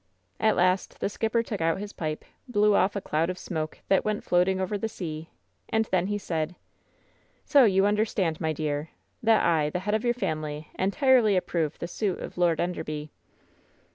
At last the sKpper took out his pipe, blew off a cloud of smoke that went floating over the sea, and then he said: "So you understand, my dear, that I, the head of your family, entirely approve the suit of Lord Enderby."